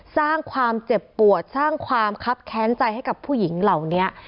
สร้างความเจ็บปวดสร้างความคับแค้นใจให้กับผู้หญิงเหล่านี้